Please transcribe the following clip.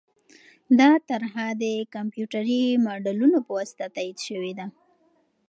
دا طرحه د کمپیوټري ماډلونو په واسطه تایید شوې ده.